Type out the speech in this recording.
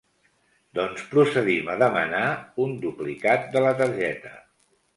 Doncs procedim a demanar un duplicat de la targeta.